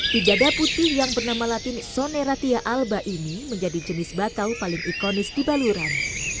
pijada putih yang bernama latin soneratia alba ini menjadi jenis bakau paling ikonis di baluran